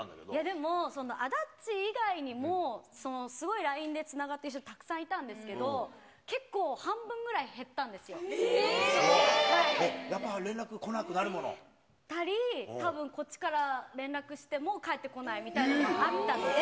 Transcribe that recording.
でも、あだっちー以外にもすごいＬＩＮＥでつながってる人、たくさんいたんですけど、やっぱ連絡来なくなるもの？たり、たぶんこっちから連絡しても返ってこないみたいなのがあったので。